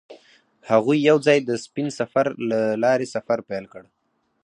هغوی یوځای د سپین سفر له لارې سفر پیل کړ.